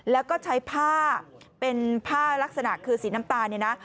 แล้วก็ใช้ผ้าเป็นผ้าลักษณะคือสีน้ำตาลเนี่ยนะ